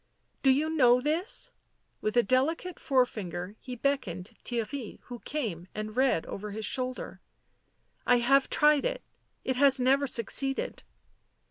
" Do you know this?" With a delicate forefinger he beckoned Theirry, who came and read over his shoulder. " I have tried it. It has never succeeded."